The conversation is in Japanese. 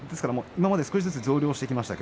今まで少しずつ増量していました